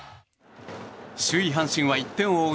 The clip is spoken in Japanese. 首位、阪神は１点を追う